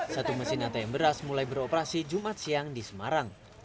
satu mesin atm beras mulai beroperasi jumat siang di semarang